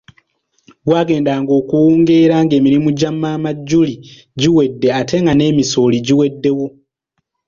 Bwagendanga okuwungeera ng'emirimu gya maama Julie giwedde ate nga n'emisooli giweddewo.